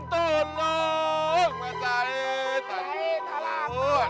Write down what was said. kamu punya joustnya